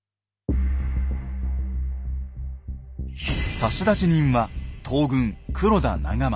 差出人は東軍黒田長政。